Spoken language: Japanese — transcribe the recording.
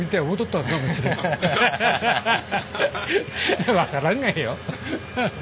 いや分からんがやよ。